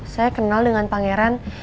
saya kenal dengan pangeran